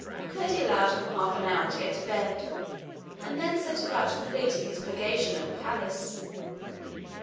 Curdie allowed them half an hour to get to bed, and then set about completing his purgation of the palace.